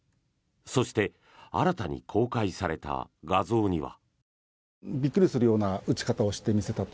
そして新たに公開された画像には。